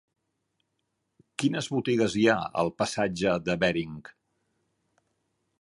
Quines botigues hi ha al passatge de Bering?